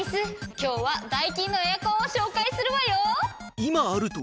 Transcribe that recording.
今日はダイキンのエアコンを紹介するわよ。